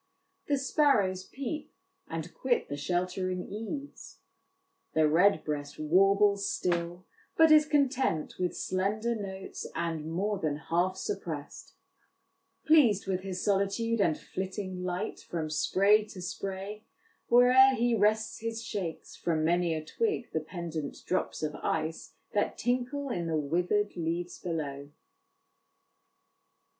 "The sparrows peep, and quit the sheltering eaves." " The redbreast warbles still, but is content With slender notes, and more than half suppress'd ; Pleased with his solitude, and flitting light From spray to spray, where'er he rests he shakes From many a twig the pendent drops of ice That tinkle in the wither'd leaves below."